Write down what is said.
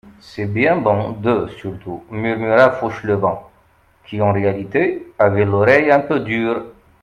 C'est bien bon, deux surtout, murmura Fauchelevent, qui, en réalité, avait l'oreille un peu dure.